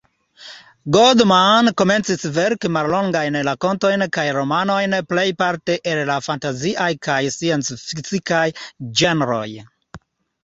Goldman komencis verki mallongajn rakontojn kaj romanojn, plejparte el la fantaziaj kaj sciencfikciaj ĝenroj.